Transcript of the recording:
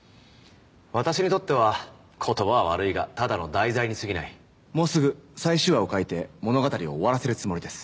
私にとっては言葉は悪いがただの題材にすぎないもうすぐ最終話を書いて物語を終わらせるつもりです